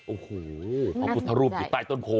โอ้โหพระพุทธรูปอยู่ใต้ต้นโพ